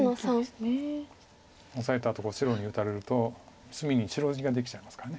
オサえたあと白に打たれると隅に白地ができちゃいますから。